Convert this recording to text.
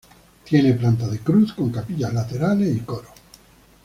Tiene planta de cruz con capillas laterales y coro.